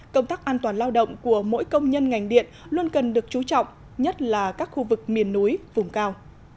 công tác an toàn lao động của mỗi công nhân ngành điện luôn cần được chú trọng nhất là các khu vực miền núi vùng cao